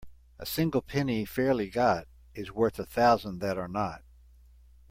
A single penny fairly got is worth a thousand that are not.